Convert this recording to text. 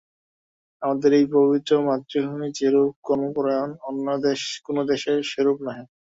আমাদের এই পবিত্র মাতৃভূমি যেরূপ কর্মপরায়ণ, অন্য কোন দেশেই সেরূপ নহে।